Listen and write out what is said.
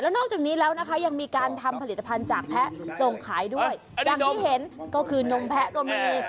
นอกจากนี้แล้วนะคะยังมีการทำผลิตภัณฑ์จากแพะส่งขายด้วยอย่างที่เห็นก็คือนมแพะก็มี